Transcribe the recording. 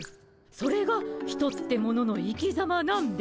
それがヒトってものの生きざまなんですっ！